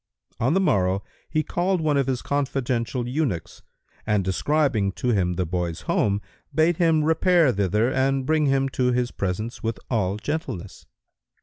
On the morrow, he called one of his confidential eunuchs and, describing to him the boy's home, bade him repair thither and bring him to his presence with all gentleness.